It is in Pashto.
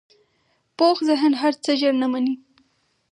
پوخ ذهن هر څه ژر نه منې